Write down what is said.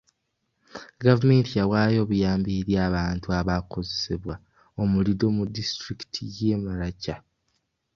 Gavumenti yawaayo obuyambi eri abantu abaakosebwa omuliro mu disitulikiti y'e Maracha.